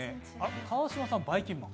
川島さん、ばいきんまん？